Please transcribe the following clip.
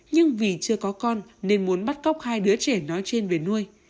nhưng vì chưa có con nên muốn bắt cóc hai đứa trẻ nói trên về nuôi